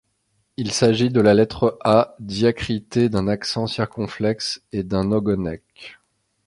Il s’agit de la lettre A diacritée d’un accent circonflexe et d’un ogonek.